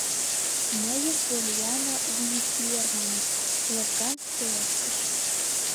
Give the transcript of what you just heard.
— Мыйым Поллианна Уиттиер маныт, — лыжган пелештыш.